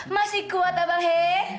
masih kuat abang he